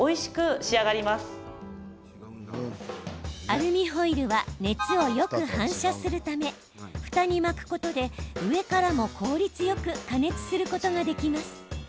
アルミホイルは熱をよく反射するためふたに巻くことで上からも効率よく加熱することができます。